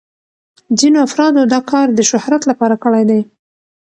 ځینو افرادو دا کار د شهرت لپاره کړی دی.